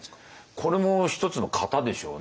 これも１つの型でしょうね。